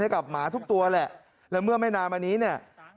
กับหมาทุกตัวแหละแล้วเมื่อไม่นานมานี้เนี่ย